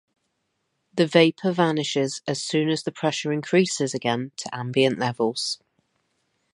The vapour vanishes as soon as the pressure increases again to ambient levels.